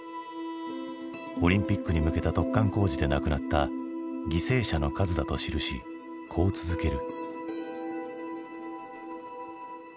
オリンピックに向けた突貫工事で亡くなった犠牲者の数だと記しこう続ける。